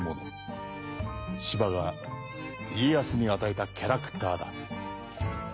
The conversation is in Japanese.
司馬が家康に与えたキャラクターだ。